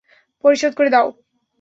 পরিশোধ করে দাও।